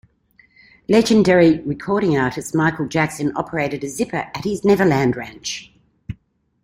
Legendary recording artist Michael Jackson operated a Zipper at his Neverland Ranch.